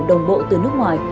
đồng bộ từ nước ngoài